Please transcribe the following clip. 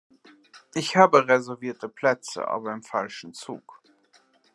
Ich hab reservierte Plätze, aber im falschen Zug.